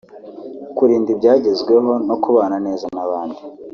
kurinda ibyagezweho no kubana neza n’abandi